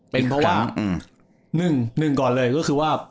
เป็นเพราะว่าหนึ่งก่อนเลยก็คือว่า